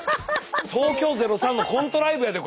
東京０３のコントライブやでこれ。